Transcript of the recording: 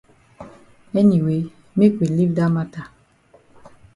Anyway make we leave dat mata.